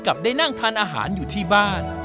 ได้นั่งทานอาหารอยู่ที่บ้าน